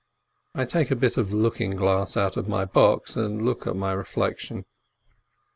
I take a bit of looking glass out of my box, and look at my reflection.